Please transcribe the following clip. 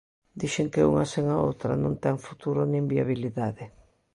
Dixen que unha sen a outra non ten futuro nin viabilidade.